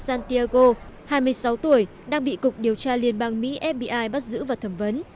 santiago hai mươi sáu tuổi đang bị cục điều tra liên bang mỹ fbi bắt giữ và thẩm vấn